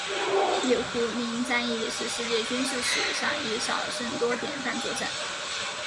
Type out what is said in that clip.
野狐岭战役也是世界军事史上以少胜多典范作战。